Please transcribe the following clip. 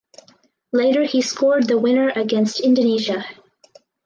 Later he scored the winner against Indonesia.